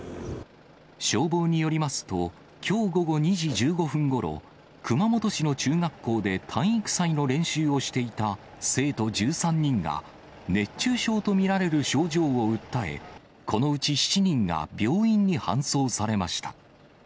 消防によりますと、きょう午後２時１５分ごろ、熊本市の中学校で体育祭の練習をしていた生徒１３人が、熱中症と見られる症状を訴え、このうち７人が病院に搬送されました。